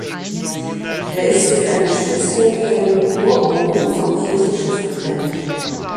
Er ist durch einen spitzbogigen Chorbogen vom Kirchenschiff getrennt.